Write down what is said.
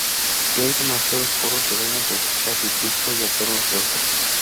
Si hay demasiados poros debemos desechar el filtro y hacernos de otro.